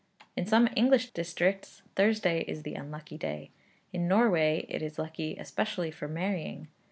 In some English districts Thursday is the unlucky day. In Norway it is lucky, especially for marrying.